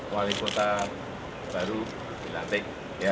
wali kota baru dilantik